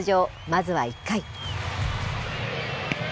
まずは１回。